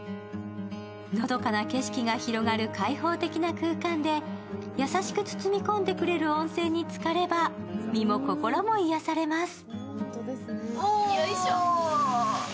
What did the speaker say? のどかな景色が広がる開放的な空間で優しく包み込んでくれる温泉につかれば身も心も癒やされます。